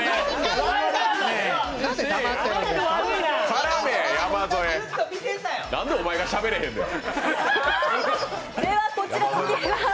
絡め、山添、なんでお前がしゃべらへんねん。